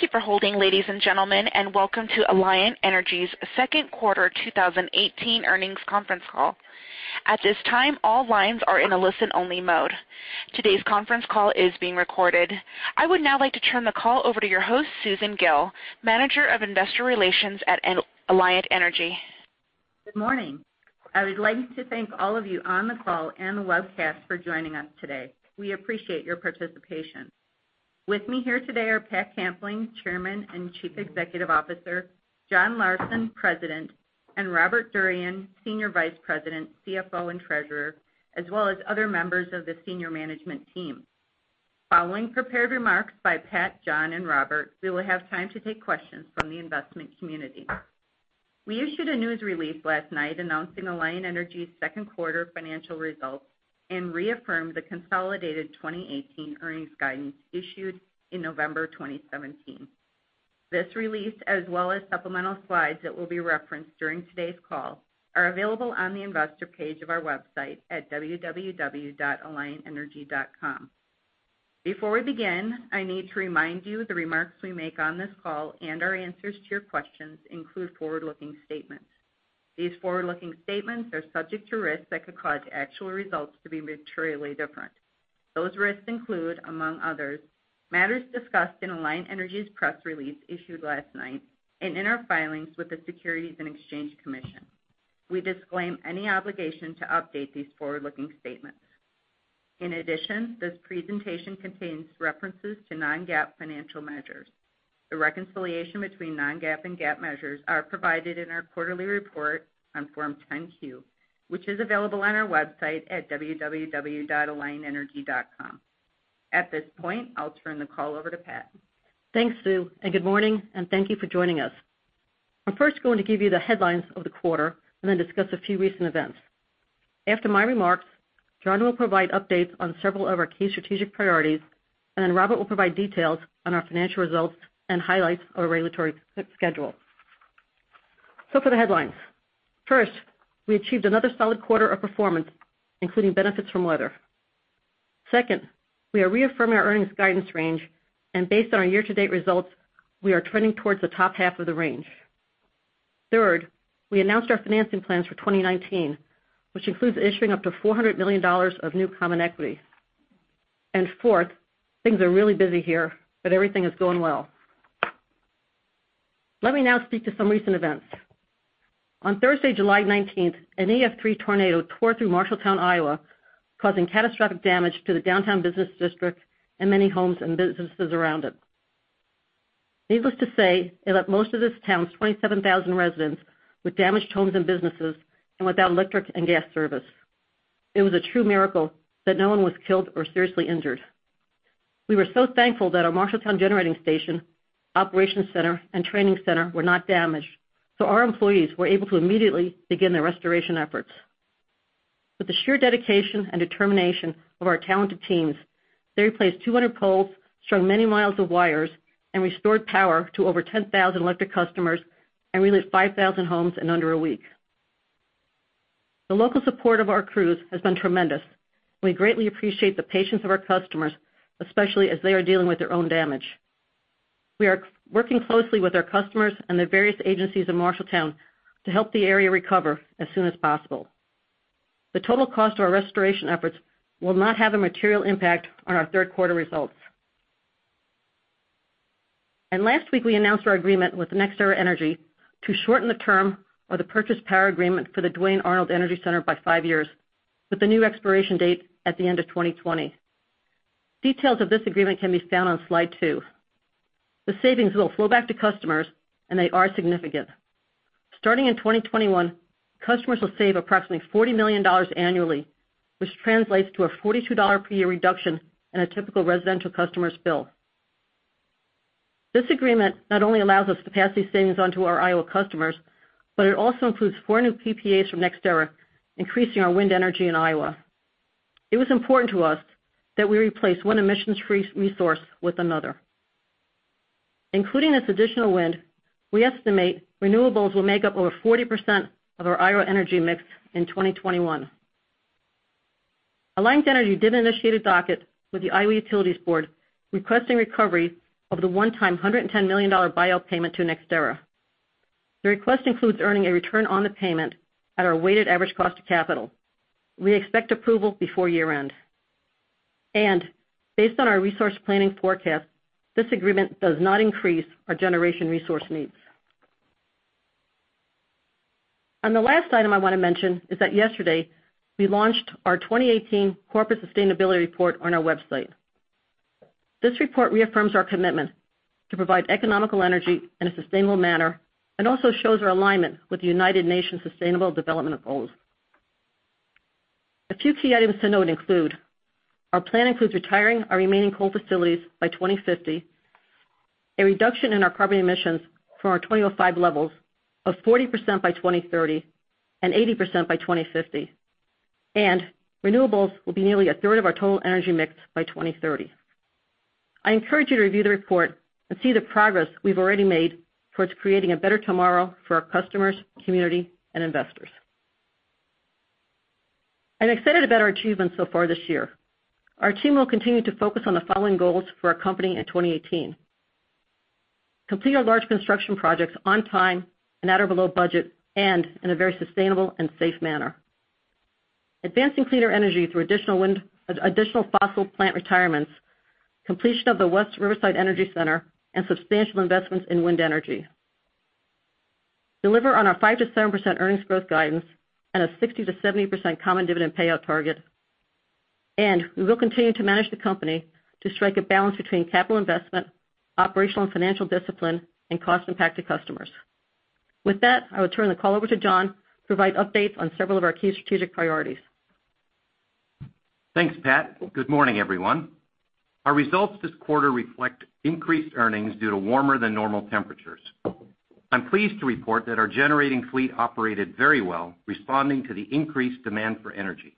Thank you for holding, ladies and gentlemen, and welcome to Alliant Energy's second quarter 2018 earnings conference call. At this time, all lines are in a listen-only mode. Today's conference call is being recorded. I would now like to turn the call over to your host, Susan Gille, Manager of Investor Relations at Alliant Energy. Good morning. I would like to thank all of you on the call and the webcast for joining us today. We appreciate your participation. With me here today are Patricia Kampling, Chairman and Chief Executive Officer, John Larsen, President, and Robert Durian, Senior Vice President, CFO, and Treasurer, as well as other members of the senior management team. Following prepared remarks by Pat, John, and Robert, we will have time to take questions from the investment community. We issued a news release last night announcing Alliant Energy's second quarter financial results and reaffirmed the consolidated 2018 earnings guidance issued in November 2017. This release, as well as supplemental slides that will be referenced during today's call, are available on the investor page of our website at www.alliantenergy.com. Before we begin, I need to remind you the remarks we make on this call and our answers to your questions include forward-looking statements. These forward-looking statements are subject to risks that could cause actual results to be materially different. Those risks include, among others, matters discussed in Alliant Energy's press release issued last night and in our filings with the Securities and Exchange Commission. We disclaim any obligation to update these forward-looking statements. In addition, this presentation contains references to non-GAAP financial measures. The reconciliation between non-GAAP and GAAP measures are provided in our quarterly report on Form 10-Q, which is available on our website at www.alliantenergy.com. At this point, I'll turn the call over to Pat. Thanks, Sue. Good morning. Thank you for joining us. I'm first going to give you the headlines of the quarter and then discuss a few recent events. After my remarks, John will provide updates on several of our key strategic priorities, and then Robert will provide details on our financial results and highlights our regulatory schedule. For the headlines. First, we achieved another solid quarter of performance, including benefits from weather. Second, we are reaffirming our earnings guidance range, and based on our year-to-date results, we are trending towards the top half of the range. Third, we announced our financing plans for 2019, which includes issuing up to $400 million of new common equity. Fourth, things are really busy here, but everything is going well. Let me now speak to some recent events. On Thursday, July 19th, an EF3 tornado tore through Marshalltown, Iowa, causing catastrophic damage to the downtown business district and many homes and businesses around it. Needless to say, it left most of this town's 27,000 residents with damaged homes and businesses and without electric and gas service. It was a true miracle that no one was killed or seriously injured. We were so thankful that our Marshalltown Generating Station, operations center, and training center were not damaged, so our employees were able to immediately begin their restoration efforts. With the sheer dedication and determination of our talented teams, they replaced 200 poles, strung many miles of wires, and restored power to over 10,000 electric customers and relit 5,000 homes in under a week. The local support of our crews has been tremendous. We greatly appreciate the patience of our customers, especially as they are dealing with their own damage. We are working closely with our customers and the various agencies in Marshalltown to help the area recover as soon as possible. The total cost of our restoration efforts will not have a material impact on our third-quarter results. Last week, we announced our agreement with NextEra Energy to shorten the term of the purchase power agreement for the Duane Arnold Energy Center by five years, with the new expiration date at the end of 2020. Details of this agreement can be found on slide two. The savings will flow back to customers, and they are significant. Starting in 2021, customers will save approximately $40 million annually, which translates to a $42 per year reduction in a typical residential customer's bill. This agreement not only allows us to pass these savings on to our Iowa customers, but it also includes four new PPAs from NextEra, increasing our wind energy in Iowa. It was important to us that we replace one emissions-free resource with another. Including this additional wind, we estimate renewables will make up over 40% of our Iowa energy mix in 2021. Alliant Energy did initiate a docket with the Iowa Utilities Board, requesting recovery of the one-time $110 million buyout payment to NextEra. The request includes earning a return on the payment at our weighted average cost of capital. We expect approval before year-end. Based on our resource planning forecast, this agreement does not increase our generation resource needs. The last item I want to mention is that yesterday, we launched our 2018 Corporate Sustainability Report on our website. This report reaffirms our commitment to provide economical energy in a sustainable manner and also shows our alignment with the United Nations Sustainable Development Goals. A few key items to note include our plan includes retiring our remaining coal facilities by 2050, a reduction in our carbon emissions from our 2005 levels of 40% by 2030 and 80% by 2050, and renewables will be nearly a third of our total energy mix by 2030. I encourage you to review the report and see the progress we've already made towards creating a better tomorrow for our customers, community, and investors. I'm excited about our achievements so far this year. Our team will continue to focus on the following goals for our company in 2018. Complete our large construction projects on time and at or below budget, and in a very sustainable and safe manner. Advancing cleaner energy through additional fossil plant retirements, completion of the West Riverside Energy Center, and substantial investments in wind energy. Deliver on our 5%-7% earnings growth guidance and a 60%-70% common dividend payout target. We will continue to manage the company to strike a balance between capital investment, operational, and financial discipline, and cost impact to customers. With that, I will turn the call over to John to provide updates on several of our key strategic priorities. Thanks, Pat. Good morning, everyone. Our results this quarter reflect increased earnings due to warmer than normal temperatures. I'm pleased to report that our generating fleet operated very well, responding to the increased demand for energy.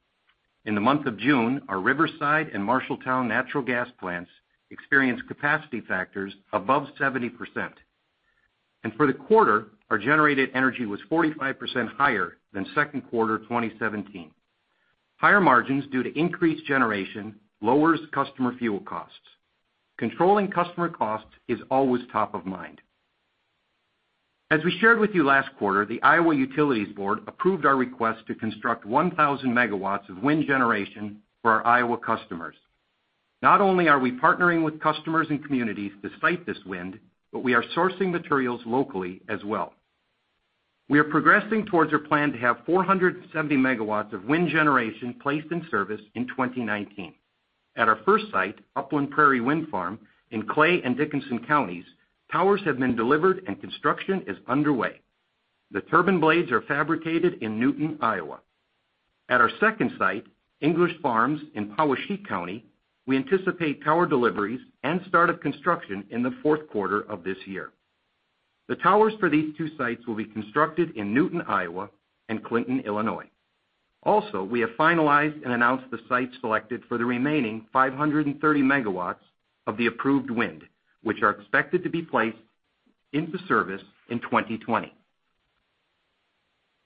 In the month of June, our Riverside and Marshalltown natural gas plants experienced capacity factors above 70%. For the quarter, our generated energy was 45% higher than second quarter 2017. Higher margins due to increased generation lowers customer fuel costs. Controlling customer costs is always top of mind. As we shared with you last quarter, the Iowa Utilities Board approved our request to construct 1,000 megawatts of wind generation for our Iowa customers. Not only are we partnering with customers and communities to site this wind, but we are sourcing materials locally as well. We are progressing towards our plan to have 470 megawatts of wind generation placed in service in 2019. At our first site, Upland Prairie Wind Farm in Clay and Dickinson Counties, towers have been delivered and construction is underway. The turbine blades are fabricated in Newton, Iowa. At our second site, English Farms in Poweshiek County, we anticipate tower deliveries and start of construction in the fourth quarter of this year. The towers for these two sites will be constructed in Newton, Iowa, and Clinton, Illinois. We have finalized and announced the sites selected for the remaining 530 megawatts of the approved wind, which are expected to be placed into service in 2020.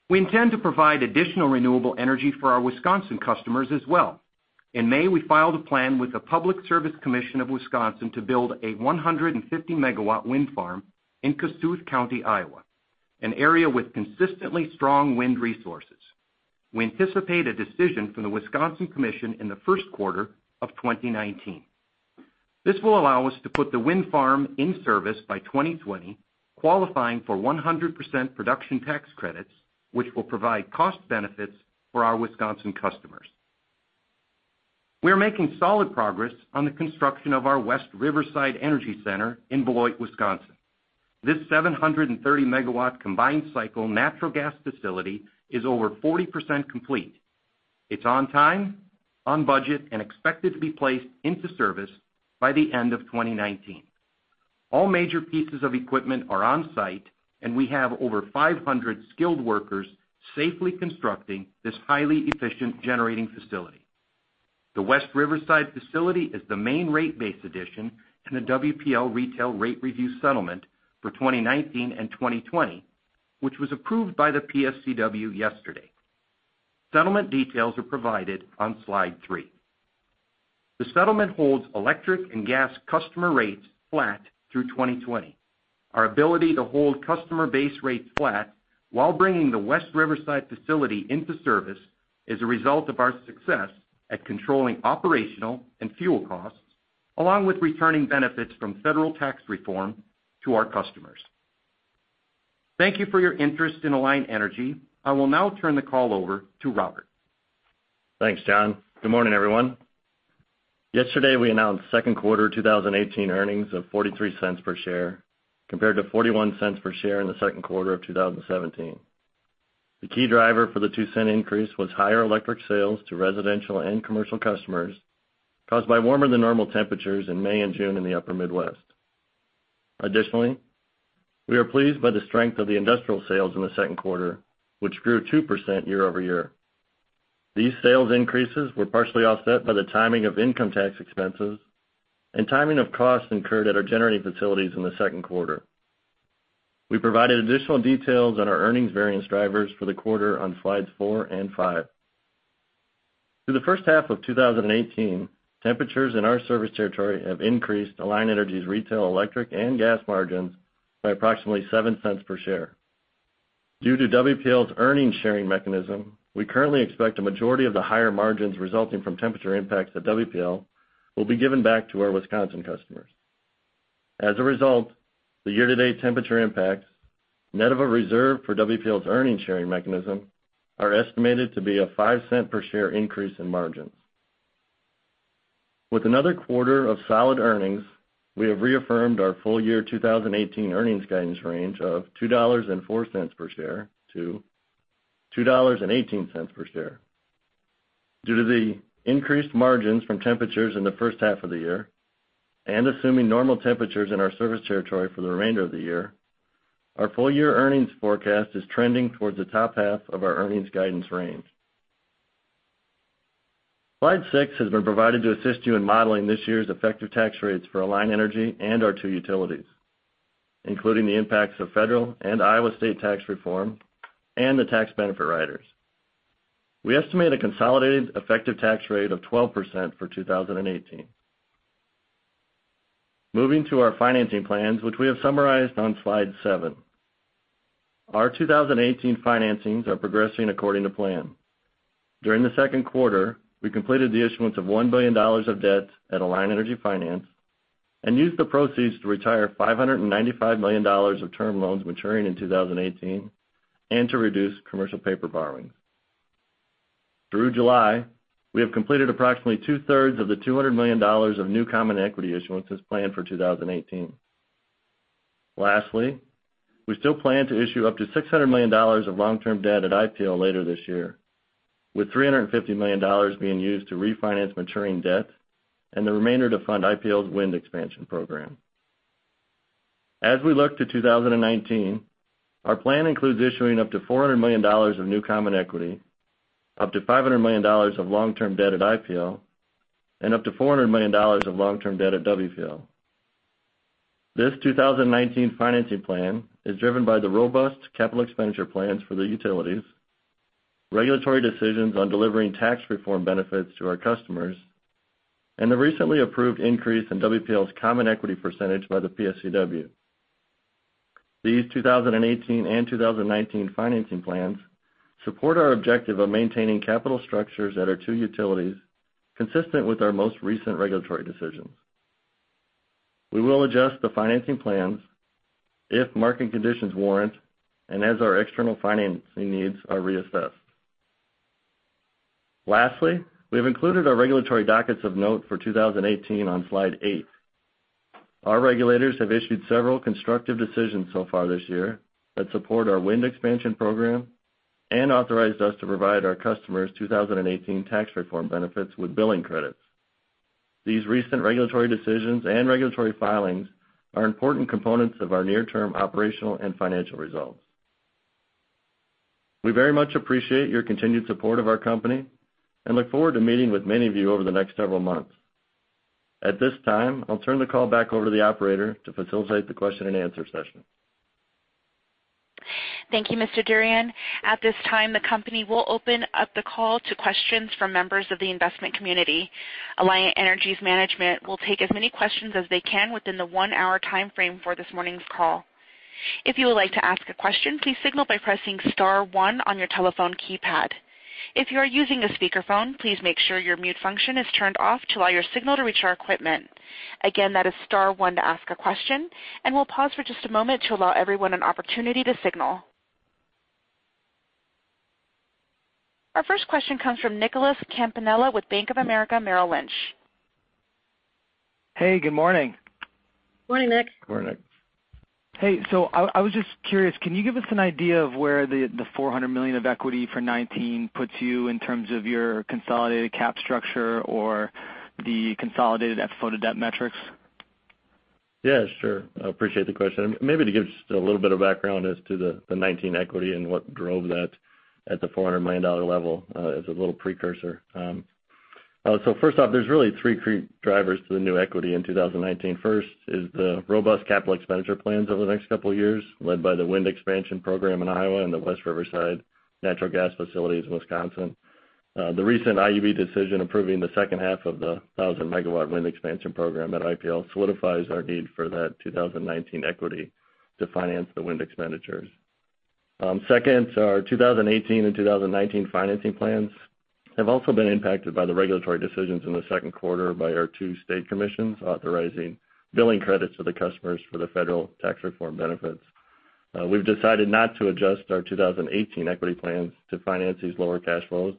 We intend to provide additional renewable energy for our Wisconsin customers as well. In May, we filed a plan with the Public Service Commission of Wisconsin to build a 150-megawatt wind farm in Kossuth County, Iowa, an area with consistently strong wind resources. We anticipate a decision from the Wisconsin Commission in the first quarter of 2019. This will allow us to put the wind farm in service by 2020, qualifying for 100% production tax credits, which will provide cost benefits for our Wisconsin customers. We are making solid progress on the construction of our West Riverside Energy Center in Beloit, Wisconsin. This 730-megawatt combined cycle natural gas facility is over 40% complete. It's on time, on budget, and expected to be placed into service by the end of 2019. All major pieces of equipment are on-site, and we have over 500 skilled workers safely constructing this highly efficient generating facility. The West Riverside facility is the main rate base addition in the WPL retail rate review settlement for 2019 and 2020, which was approved by the PSCW yesterday. Settlement details are provided on slide three. The settlement holds electric and gas customer rates flat through 2020. Our ability to hold customer base rates flat while bringing the West Riverside facility into service is a result of our success at controlling operational and fuel costs, along with returning benefits from federal tax reform to our customers. Thank you for your interest in Alliant Energy. I will now turn the call over to Robert. Thanks, John. Good morning, everyone. Yesterday, we announced second quarter 2018 earnings of $0.43 per share, compared to $0.41 per share in the second quarter of 2017. The key driver for the $0.02 increase was higher electric sales to residential and commercial customers caused by warmer than normal temperatures in May and June in the upper Midwest. Additionally, we are pleased by the strength of the industrial sales in the second quarter, which grew 2% year-over-year. These sales increases were partially offset by the timing of income tax expenses and timing of costs incurred at our generating facilities in the second quarter. We provided additional details on our earnings variance drivers for the quarter on slides four and five. Through the first half of 2018, temperatures in our service territory have increased Alliant Energy's retail electric and gas margins by approximately $0.07 per share. Due to WPL's earnings sharing mechanism, we currently expect a majority of the higher margins resulting from temperature impacts at WPL will be given back to our Wisconsin customers. As a result, the year-to-date temperature impacts, net of a reserve for WPL's earnings sharing mechanism, are estimated to be a $0.05 per share increase in margins. With another quarter of solid earnings, we have reaffirmed our full year 2018 earnings guidance range of $2.04 per share-$2.18 per share. Due to the increased margins from temperatures in the first half of the year, and assuming normal temperatures in our service territory for the remainder of the year, our full-year earnings forecast is trending towards the top half of our earnings guidance range. Slide six has been provided to assist you in modeling this year's effective tax rates for Alliant Energy and our two utilities, including the impacts of federal and Iowa state tax reform and the tax benefit riders. We estimate a consolidated effective tax rate of 12% for 2018. Moving to our financing plans, which we have summarized on Slide seven. Our 2018 financings are progressing according to plan. During the second quarter, we completed the issuance of $1 billion of debt at Alliant Energy Finance and used the proceeds to retire $595 million of term loans maturing in 2018 and to reduce commercial paper borrowings. Through July, we have completed approximately two-thirds of the $200 million of new common equity issuances planned for 2018. We still plan to issue up to $600 million of long-term debt at IPL later this year, with $350 million being used to refinance maturing debt and the remainder to fund IPL's wind expansion program. As we look to 2019, our plan includes issuing up to $400 million of new common equity, up to $500 million of long-term debt at IPL, and up to $400 million of long-term debt at WPL. This 2019 financing plan is driven by the robust capital expenditure plans for the utilities, regulatory decisions on delivering tax reform benefits to our customers, and the recently approved increase in WPL's common equity percentage by the PSCW. These 2018 and 2019 financing plans support our objective of maintaining capital structures at our two utilities consistent with our most recent regulatory decisions. We will adjust the financing plans if market conditions warrant and as our external financing needs are reassessed. We've included our regulatory dockets of note for 2018 on Slide eight. Our regulators have issued several constructive decisions so far this year that support our wind expansion program and authorized us to provide our customers 2018 tax reform benefits with billing credits. These recent regulatory decisions and regulatory filings are important components of our near-term operational and financial results. We very much appreciate your continued support of our company and look forward to meeting with many of you over the next several months. At this time, I'll turn the call back over to the operator to facilitate the question and answer session. Thank you, Mr. Durian. At this time, the company will open up the call to questions from members of the investment community. Alliant Energy's management will take as many questions as they can within the one-hour timeframe for this morning's call. If you would like to ask a question, please signal by pressing *1 on your telephone keypad. If you are using a speakerphone, please make sure your mute function is turned off to allow your signal to reach our equipment. Again, that is *1 to ask a question, and we'll pause for just a moment to allow everyone an opportunity to signal. Our first question comes from Nicholas Campanella with Bank of America Merrill Lynch. Hey, good morning. Morning, Nick. Morning. Hey, I was just curious, can you give us an idea of where the $400 million of equity for 2019 puts you in terms of your consolidated cap structure or the consolidated FFO to debt metrics? I appreciate the question. Maybe to give just a little bit of background as to the 2019 equity and what drove that at the $400 million level as a little precursor. First off, there's really three key drivers to the new equity in 2019. First is the robust capital expenditure plans over the next couple of years, led by the wind expansion program in Iowa and the West Riverside natural gas facilities in Wisconsin. The recent IUB decision approving the second half of the 1,000-megawatt wind expansion program at IPL solidifies our need for that 2019 equity to finance the wind expenditures. Second, our 2018 and 2019 financing plans have also been impacted by the regulatory decisions in the second quarter by our two state commissions authorizing billing credits to the customers for the federal tax reform benefits. We've decided not to adjust our 2018 equity plans to finance these lower cash flows,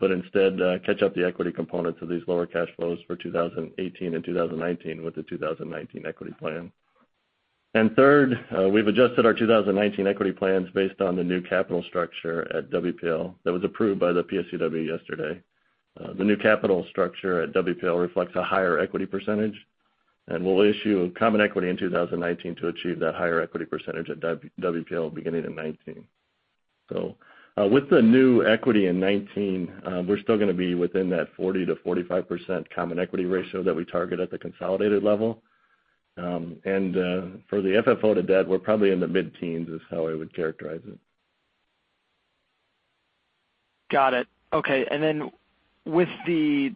but instead catch up the equity components of these lower cash flows for 2018 and 2019 with the 2019 equity plan. Third, we've adjusted our 2019 equity plans based on the new capital structure at WPL that was approved by the PSCW yesterday. The new capital structure at WPL reflects a higher equity percentage, and we'll issue common equity in 2019 to achieve that higher equity percentage at WPL beginning in 2019. With the new equity in 2019, we're still going to be within that 40%-45% common equity ratio that we target at the consolidated level. For the FFO to debt, we're probably in the mid-teens, is how I would characterize it. Got it. Okay. With the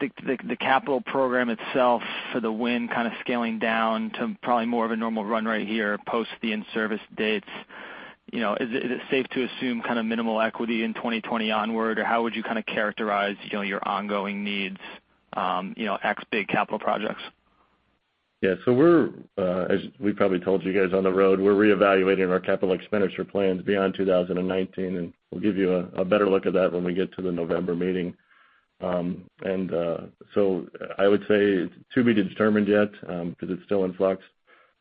capital program itself for the wind kind of scaling down to probably more of a normal run rate here post the in-service dates, is it safe to assume kind of minimal equity in 2020 onward? Or how would you kind of characterize your ongoing needs, ex big capital projects? Yeah. We're, as we probably told you guys on the road, we're reevaluating our capital expenditure plans beyond 2019, we'll give you a better look at that when we get to the November meeting. I would say to be determined yet, because it's still in flux.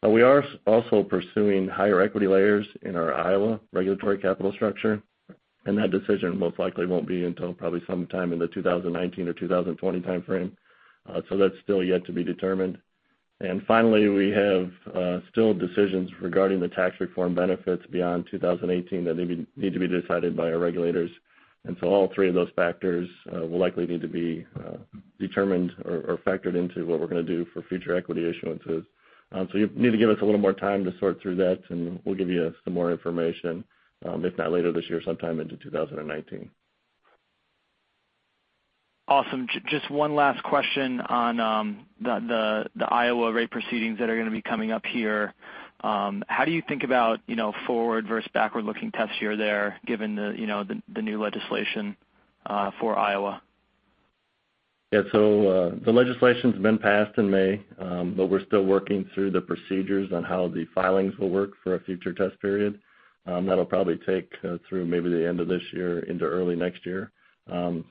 We are also pursuing higher equity layers in our Iowa regulatory capital structure, that decision most likely won't be until probably sometime in the 2019 or 2020 timeframe. That's still yet to be determined. Finally, we have still decisions regarding the tax reform benefits beyond 2018 that need to be decided by our regulators. All three of those factors will likely need to be determined or factored into what we're going to do for future equity issuances. You need to give us a little more time to sort through that, we'll give you some more information, if not later this year, sometime into 2019. Awesome. Just one last question on the Iowa rate proceedings that are going to be coming up here. How do you think about forward versus backward-looking tests here there, given the new legislation for Iowa? Yeah. The legislation's been passed in May, we're still working through the procedures on how the filings will work for a future test period. That'll probably take through maybe the end of this year into early next year.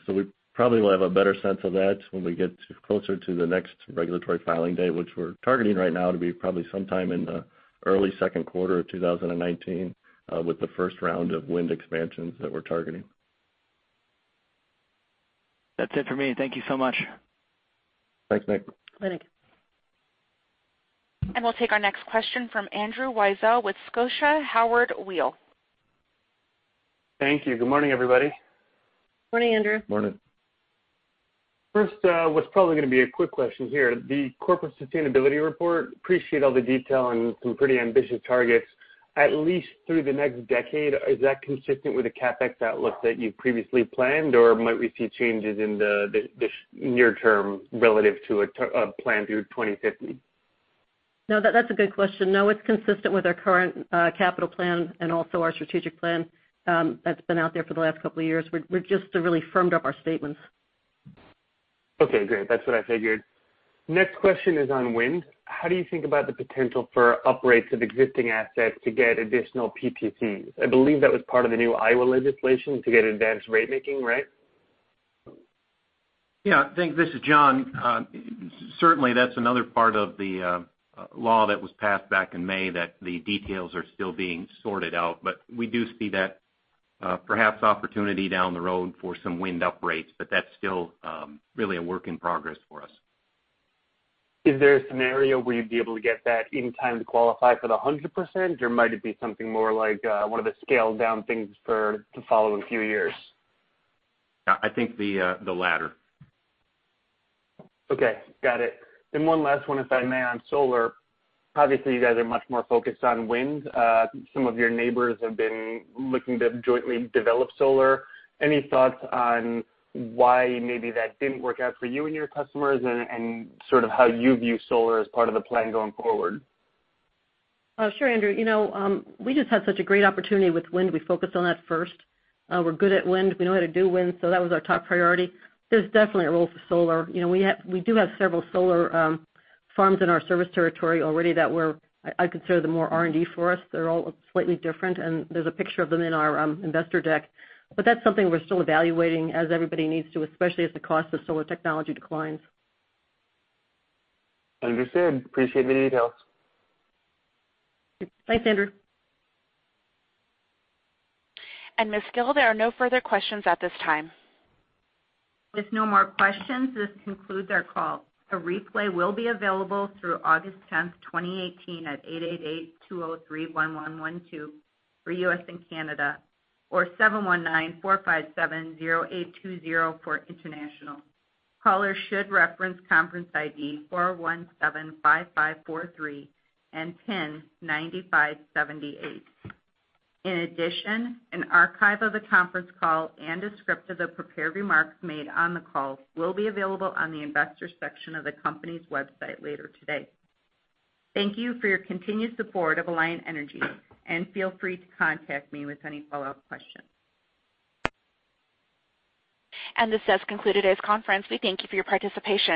We probably will have a better sense of that when we get closer to the next regulatory filing date, which we're targeting right now to be probably sometime in the early second quarter of 2019, with the first round of wind expansions that we're targeting. That's it for me. Thank you so much. Thanks, Nick. Bye, Nick. We'll take our next question from Andrew Weisel with Scotia Howard Weil. Thank you. Good morning, everybody. Morning, Andrew. Morning. First, what's probably going to be a quick question here, the corporate sustainability report, appreciate all the detail and some pretty ambitious targets. At least through the next decade, is that consistent with the CapEx outlook that you've previously planned, or might we see changes in the near term relative to a plan through 2050? That's a good question. No, it's consistent with our current capital plan and also our strategic plan that's been out there for the last couple of years. We've just really firmed up our statements. Okay, great. That's what I figured. Next question is on wind. How do you think about the potential for upgrades of existing assets to get additional PTCs? I believe that was part of the new Iowa legislation to get advanced rate making, right? Yeah. Thanks. This is John. Certainly, that's another part of the law that was passed back in May that the details are still being sorted out. We do see that perhaps opportunity down the road for some wind upgrades, but that's still really a work in progress for us. Is there a scenario where you'd be able to get that in time to qualify for the 100%, or might it be something more like one of the scaled-down things to follow in a few years? I think the latter. Okay. Got it. One last one, if I may, on solar. Obviously, you guys are much more focused on wind. Some of your neighbors have been looking to jointly develop solar. Any thoughts on why maybe that didn't work out for you and your customers, and sort of how you view solar as part of the plan going forward? Sure, Andrew. We just had such a great opportunity with wind. We focused on that first. We're good at wind. We know how to do wind, so that was our top priority. There's definitely a role for solar. We do have several solar farms in our service territory already that I consider them more R&D for us. They're all slightly different, and there's a picture of them in our investor deck. That's something we're still evaluating as everybody needs to, especially as the cost of solar technology declines. Understood. Appreciate the details. Thanks, Andrew. Ms. Gille, there are no further questions at this time. If no more questions, this concludes our call. A replay will be available through August 10th, 2018, at 888-203-1112 for U.S. and Canada, or 719-457-0820 for international. Callers should reference conference ID 4175543 and 109578. In addition, an archive of the conference call and a script of the prepared remarks made on the call will be available on the investors section of the company's website later today. Thank you for your continued support of Alliant Energy, and feel free to contact me with any follow-up questions. This does conclude today's conference. We thank you for your participation.